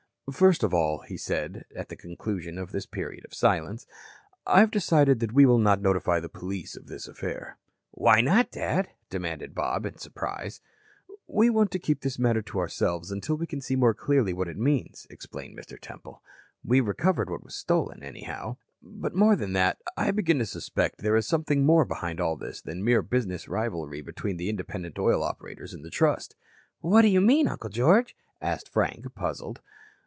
"First of all," he said at the conclusion of this period of silence, "I've decided that we will not notify the police of this affair." "Why not, Dad?" demanded Bob in surprise. "We want to keep this matter to ourselves until we can see more clearly what it means," explained Mr. Temple. "We recovered what was stolen, anyhow. But more than that, I begin to suspect there is something more behind all this than mere business rivalry between the independent oil operators and the Trust." "What do you mean, Uncle George?" asked Frank, puzzled.